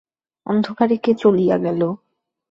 অন্ধকারে কে চলিয়া গেল।